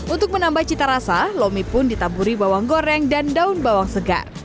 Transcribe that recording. untuk menambah cita rasa lomi pun ditaburi bawang goreng dan daun bawang segar